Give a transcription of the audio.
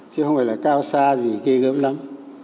chứ không phải là cao xa gì ghê gớm lắm